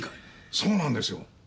そうなんですよ。